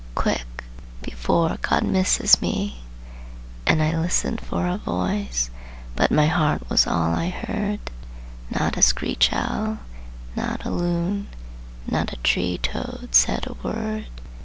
Quick! before God misses me!" And I listened for a voice; But my heart was all I heard; Not a screech owl, not a loon, Not a tree toad said a word.